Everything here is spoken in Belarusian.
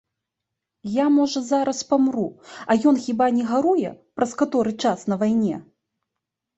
Я, можа, зараз памру, а ён хіба не гаруе, праз каторы час на вайне?!